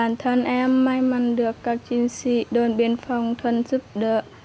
bản thân em may mắn được các chiến sĩ đơn biên phòng thuận giúp đỡ